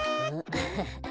アハハ。